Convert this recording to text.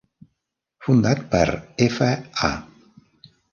Fundat per F. A